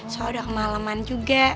soalnya udah kemaleman juga